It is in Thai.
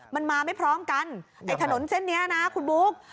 มันมาไม่พร้อมกันไอ้ถนนเส้นนี้นะคุณบุ๊ค